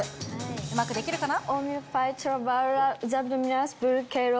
うまくできるかな？